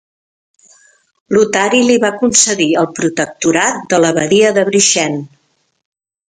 Lotari li va concedir el protectorat de l'abadia de Brixen.